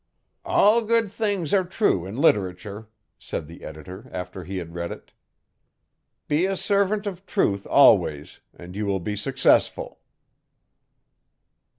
'All good things are true in literature,' said the editor after he had read it. 'Be a servant of Truth always and you will be successful.'